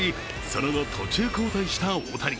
その後、途中交代した大谷。